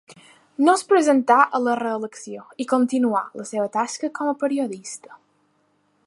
No es presentà a la reelecció i continuà la seva tasca com a periodista.